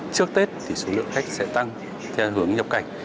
trước tết thì số lượng khách sẽ tăng theo hướng nhập cảnh